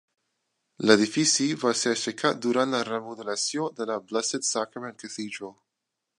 L"edifici va ser aixecat durant la remodelació de la Blessed Sacrament Cathedral.